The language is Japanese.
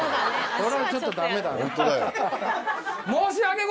それはちょっとダメだ。